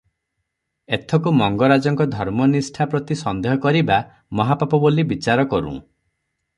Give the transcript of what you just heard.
ଏଥକୁ ମଙ୍ଗରାଜଙ୍କ ଧର୍ମନିଷ୍ଠା ପ୍ରତି ସନ୍ଦେହ କରିବା ମହାପାପ ବୋଲି ବିଚାର କରୁଁ ।